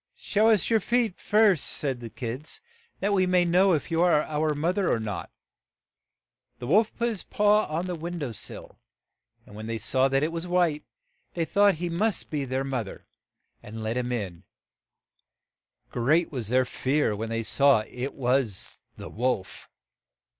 "Show us your feet first," said the kids, "that we may know if you are our mother or not." The wolf put his paw on the win dow sill, and when they saw that it was white, they thought he must be their moth er, THE WOLF AND THE SIX LITTLE KIDS 17 and let him in. Great was their fear when they saw it was the wolf.